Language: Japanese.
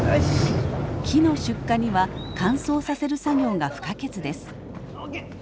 木の出荷には乾燥させる作業が不可欠です。